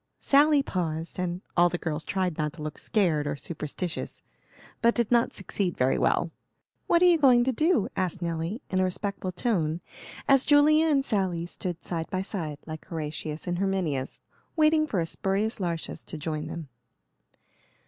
Sally paused, and the girls all tried not to look "scared" or "superstitious," but did not succeed very well. "What are you going to do?" asked Nelly, in a respectful tone, as Julia and Sally stood side by side, like Horatius and Herminius waiting for a Spurius Lartius to join them.